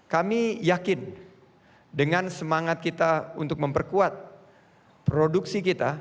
kami yakin dengan semangat kita untuk memperkuat produksi kita